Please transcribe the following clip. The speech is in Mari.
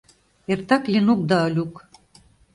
Эртак Ленук да Олюк.